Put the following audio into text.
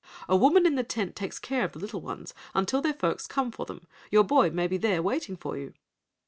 A woman in the tent takes care of the little ones until their folks come for them. Your boy may be there waiting for you."